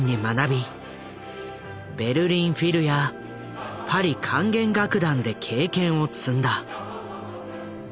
ベルリン・フィルやパリ管弦楽団で経験を積んだ。